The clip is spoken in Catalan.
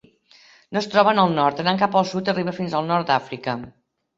No es troba en el nord, anant cap al sud arriba fins al nord d'Àfrica.